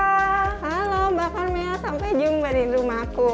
halo halo mbak karmel sampai jumpa di rumahku